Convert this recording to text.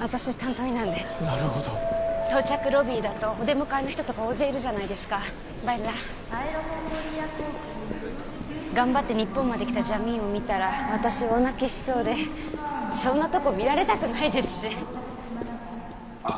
私担当医なんでなるほど到着ロビーだとお出迎えの人とか大勢いるじゃないですか頑張って日本まで来たジャミーンを見たら私大泣きしそうでそんなとこ見られたくないですしあっ